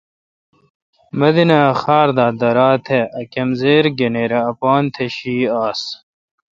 مدینہ خار دا درا۔ تہ ا کمزِر گنیراے اپان تہ شی آس۔